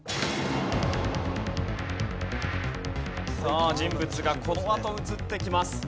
さあ人物がこのあと映ってきます。